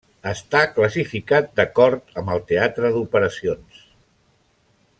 Està classificat d'acord amb el teatre d'operacions.